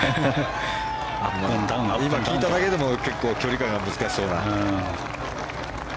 聞いただけでも距離感が難しそうな。